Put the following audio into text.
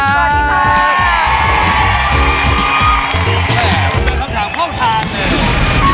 แล้วต้องถามห้องทางหนึ่ง